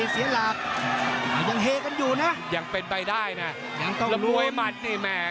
เสียหลักยังเฮกันอยู่นะยังเป็นไปได้นะยังต้องลำมวยหมัดนี่แม่